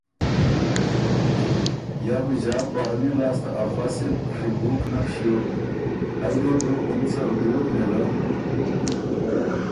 یا بُو ݫات بارني لاسته ا فصِل ڒیبُوک نک ݭیوک، ائ دې بو اُن څه وریوک نېله۔